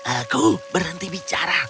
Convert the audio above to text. aku berhenti bicara